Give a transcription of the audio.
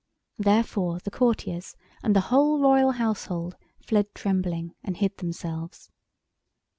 Therefore the courtiers and the whole Royal household fled trembling and hid themselves.